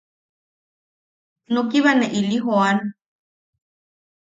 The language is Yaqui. Nukiba ne ili jooan.